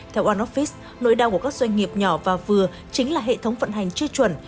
theo onofice nỗi đau của các doanh nghiệp nhỏ và vừa chính là hệ thống vận hành chưa chuẩn